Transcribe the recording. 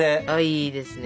いいですね！